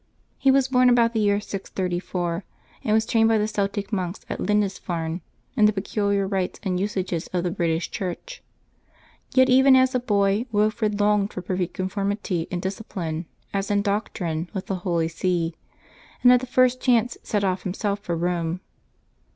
He was born about the year 634, and was trained by the Celtic monks at Lindisfarne in the peculiar rites and usages of the British Church. Yet even as a boy Wilfrid longed for perfect conformity in discipline, as in doctrine, with the Holy See, and at the first chance set off himself for Home.